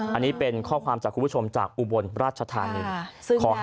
อันนี้เป็นข้อความจากคุณผู้ชมจากอุบลราชธานี